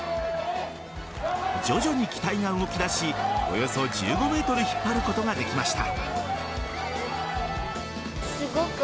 徐々に機体が動きだしおよそ１５ｍ引っ張ることができました。